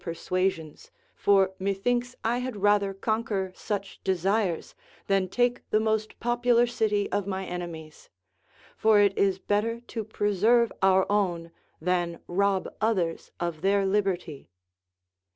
persuasions, for methinks I had rather conquer such desires than take the most popular city of ray eneraies ; for it is better to preser\'e our own than rob others of their liberty.